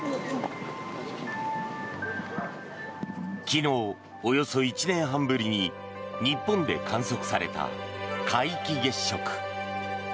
昨日、およそ１年半ぶりに日本で観測された皆既月食。